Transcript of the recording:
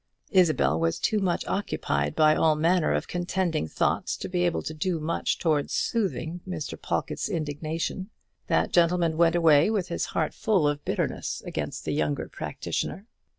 Isabel was too much occupied by all manner of contending thoughts to be able to do much towards the soothing of Mr. Pawlkatt's indignation. That gentleman went away with his heart full of bitterness against the younger practitioner.